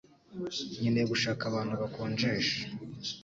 Nkeneye gushaka abantu bakonjesha